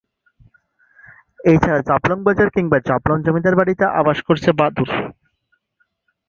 এছাড়া জাফলং বাজার কিংবা জাফলং জমিদার বাড়িতে আবাস করেছে বাদুড়।